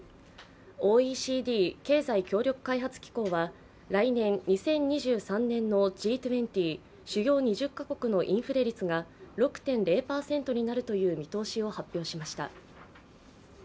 ＯＥＣＤ＝経済協力開発機構は来年２０２３年のＧ２０＝主要２０か国のインフレ率が６．０％になるという見通しを発表しました。